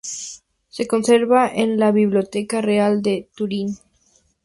Se conserva en la biblioteca Real de Turín.